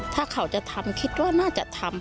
ถ้าเขาจะทำคิดว่าน่าจะทำ